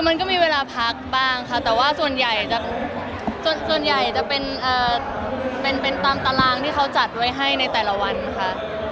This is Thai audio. มันก็มีเวลาพักบ้างค่ะแต่ว่าส่วนใหญ่ส่วนใหญ่จะเป็นตามตารางที่เขาจัดไว้ให้ในแต่ละวันค่ะ